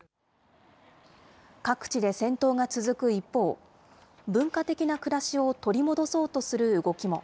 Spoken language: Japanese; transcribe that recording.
各地で戦闘が続く一方、文化的な暮らしを取り戻そうとする動きも。